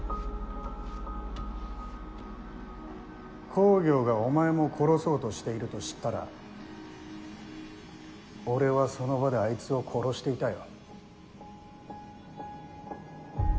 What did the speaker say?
公暁がお前も殺そうとしていると知ったら俺は、その場であいつを殺していたよ。